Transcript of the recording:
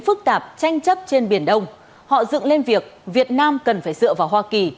phức tạp tranh chấp trên biển đông họ dựng lên việc việt nam cần phải dựa vào hoa kỳ